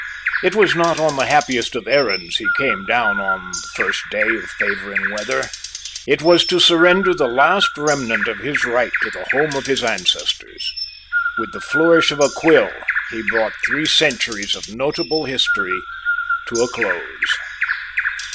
It was not on the happiest of errands he came down on the first day of favouring weather; it was to surrender the last remnant of his right to the home of his ancestors. With the flourish of a quill he brought three centuries of notable history to a close.